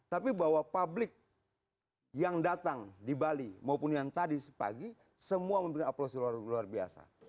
tapi bahwa publik yang datang di bali maupun yang tadi sepagi semua memberikan aplausul luar biasa